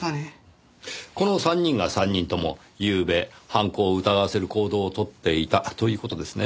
この３人が３人ともゆうべ犯行を疑わせる行動を取っていたという事ですね？